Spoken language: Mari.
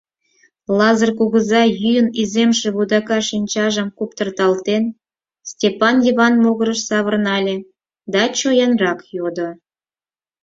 Лазыр кугыза, йӱын иземше вудака шинчажым куптырталтен, Стапан Йыван могырыш савырнале да чоянрак йодо: